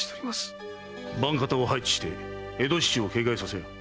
番方を配置して江戸市中を警戒させよ。